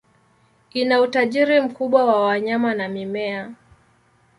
Ina utajiri mkubwa wa wanyama na mimea.